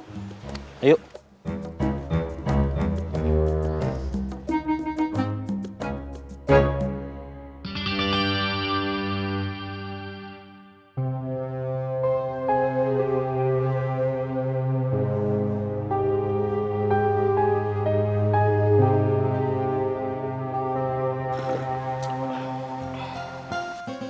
seminggu lagi saya pulang ke panganbaru